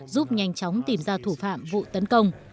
giúp nhanh chóng tìm ra thủ phạm vụ tấn công